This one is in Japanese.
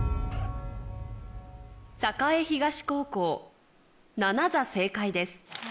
栄東高校７座正解です